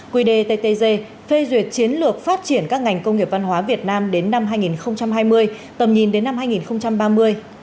quy đề ttg phê duyệt chiến lược phát triển các ngành công nghiệp văn hóa việt nam đến năm hai nghìn hai mươi tầm nhìn đến năm hai nghìn ba mươi